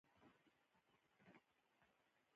هغه د افغانستان او شوروي اختلاف خبرې وکړې.